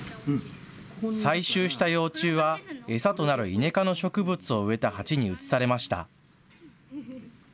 採集した幼虫は餌となるイネ科の植物を植えた鉢に移されました。